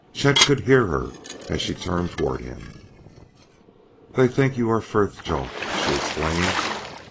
Chet could hear her as she turned toward him. "They think you are Frithjof," she explained.